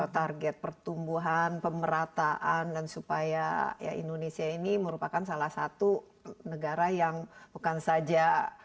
target pertumbuhan pemerataan dan supaya indonesia ini merupakan salah satu negara yang bukan saja